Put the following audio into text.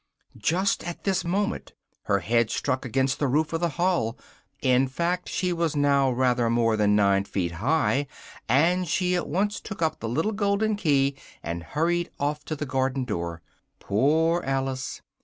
Just at this moment, her head struck against the roof of the hall: in fact, she was now rather more than nine feet high, and she at once took up the little golden key, and hurried off to the garden door. Poor Alice!